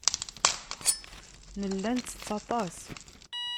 Nella nettett aṭas.